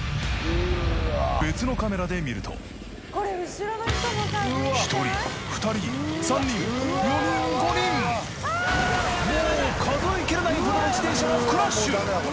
別のカメラで見ると１人２人３人４人５人もう数え切れないほどの自転車がクラッシュ！